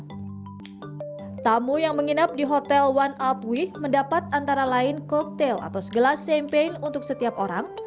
para tamu yang menginap di hotel one altwee mendapat antara lain koktel atau segelas champagne untuk setiap orang